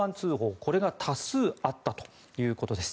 これが多数あったということです。